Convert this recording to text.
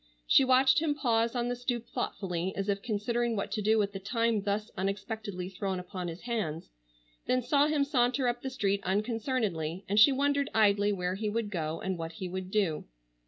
She watched him pause on the stoop thoughtfully as if considering what to do with the time thus unexpectedly thrown upon his hands, then saw him saunter up the street unconcernedly, and she wondered idly where he would go, and what he would do.